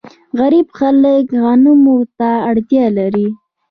غریب خلک غنمو ته اړتیا لري.